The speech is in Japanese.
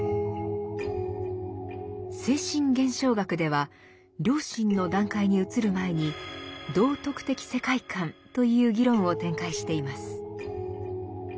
「精神現象学」では良心の段階に移る前に「道徳的世界観」という議論を展開しています。